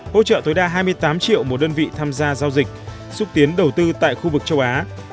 hỗ trợ tối đa hai mươi tám triệu một đơn vị tham gia giao dịch xúc tiến đầu tư tại khu vực châu á